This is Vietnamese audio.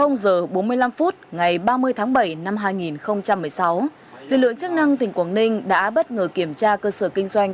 h bốn mươi năm phút ngày ba mươi tháng bảy năm hai nghìn một mươi sáu lực lượng chức năng tỉnh quảng ninh đã bất ngờ kiểm tra cơ sở kinh doanh